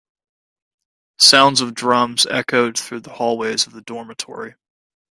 Sounds of drums echoed through the hallways of the dormitory.